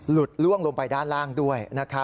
ล่วงลงไปด้านล่างด้วย